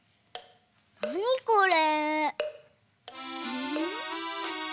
なにこれ？